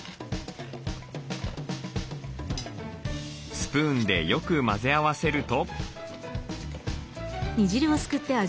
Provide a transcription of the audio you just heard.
スプーンでよく混ぜ合わせると。